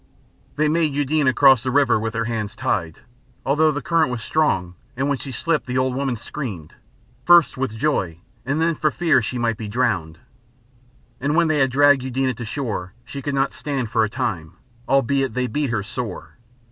They made Eudena cross the river with her hands tied, although the current was strong and when she slipped the old woman screamed, first with joy and then for fear she might be drowned. And when they had dragged Eudena to shore, she could not stand for a time, albeit they beat her sore.